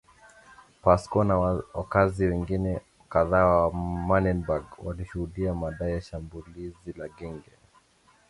Pascoe na wakazi wengine kadhaa wa Manenberg walishuhudia madai ya shambulizi la genge